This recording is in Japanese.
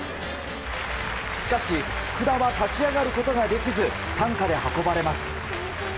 しかし福田は立ち上がることができず担架で運ばれます。